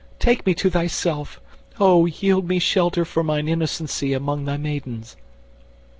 take me to thyself! O yield me shelter for mine innocency Among thy maidens!